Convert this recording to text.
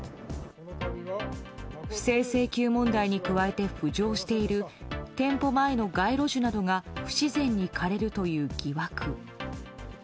不正請求問題に加えて浮上している店舗前の街路樹などが不自然に枯れるという疑惑。